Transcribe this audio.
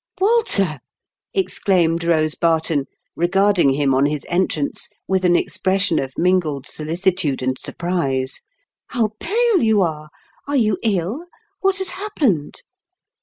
" Walter !'' exclaimed Kose Barton, regard ing him on his entrance with an expression of mingled soUcitude and surprise, "how pale you are ! Are you ill ? What has happened